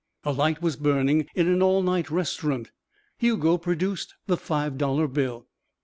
A light was burning in an all night restaurant. Hugo produced the five dollar bill.